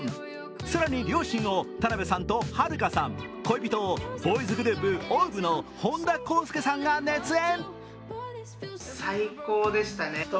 更に両親を田辺さんとはるかさん、恋人をボーイズグループ、ＯＷＶの本田康祐さんが熱演。